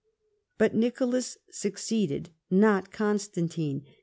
But Nicholas succeeded, not Constantine.